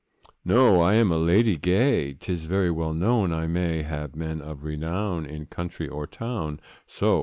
'No! I am a lady gay, 'Tis very well known I may Have men of renown, in country or town; So!